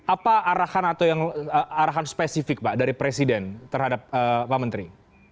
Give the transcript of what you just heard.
apa arahan atau arahan spesifik pak dari presiden terhadap pak menteri